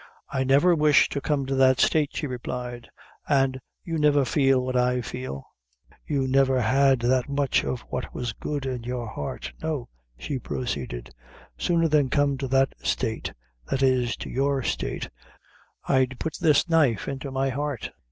"I never wish to come to that state," she replied; "an' you never felt what I feel you never had that much of what was good in your heart. No," she proceeded, "sooner than come to that state that is, to your state I'd put this knife into my heart.